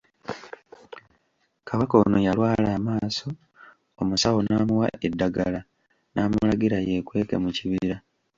Kabaka ono yalwala amaaso omusawo n'amuwa eddagala, n'amulagira yeekweke mu kibira.